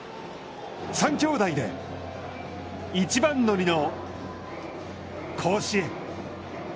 三兄弟で１番乗りの甲子園。